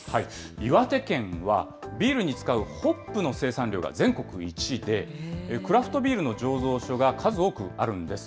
岩手県は、ビールに使うホップの生産量が全国１位で、クラフトビールの醸造所が数多くあるんです。